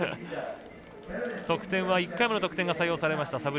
得点は１回目の得点が採用されました。